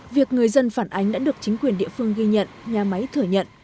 việc người dân phản ánh đã được chính quyền địa phương ghi nhận nhà máy thừa nhận